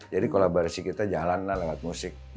jadi kolaborasi kita jalan lah lewat musik